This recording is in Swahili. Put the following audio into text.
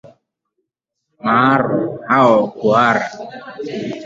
Mharo au kuhara